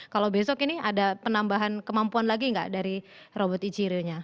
kalau besok ini ada penambahan kemampuan lagi gak dari robot ichiru nya